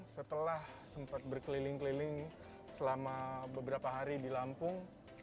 setelah sempat berkeliling keliling selama beberapa hari di lampung